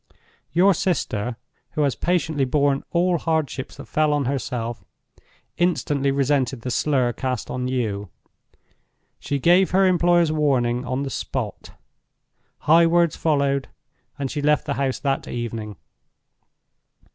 Your sister—who has patiently borne all hardships that fell on herself—instantly resented the slur cast on you. She gave her employers warning on the spot. High words followed, and she left the house that evening.